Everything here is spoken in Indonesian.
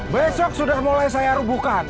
besok sudah mulai saya rebuhkan